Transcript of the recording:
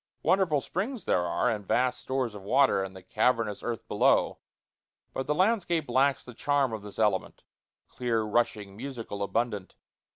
Wonderful springs there are, and vast stores of water in the cavernous earth below; but the landscape lacks the charm of this element clear, rushing, musical, abundant.